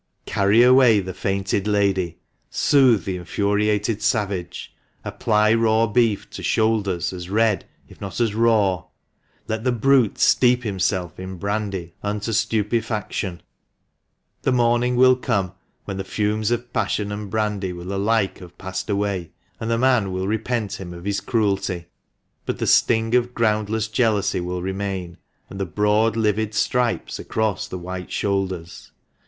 Carry away the fainting lady — soothe the infuriated savage — apply raw beef to shoulders as red, if not as raw — let the brute steep himself in brandy unto stupefaction. The morning will come, when the fumes of passion and brandy will alike have passed away, and the man will repent him of his cruelty. But the sting of groundless jealousy will remain, and the broad livid stripes across the white shoulders.